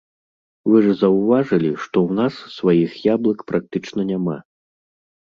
Вы ж заўважылі, што ў нас сваіх яблык практычна няма.